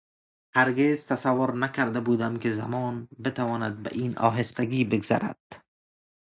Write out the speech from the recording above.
هرگز تصور نکرده بودم که زمان بتواند به این آهستگی بگذرد.